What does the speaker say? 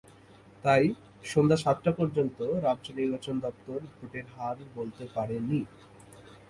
তাই সন্ধ্যা সাতটা পর্যন্ত রাজ্য নির্বাচন দপ্তর ভোটের হার বলতে পারেনি।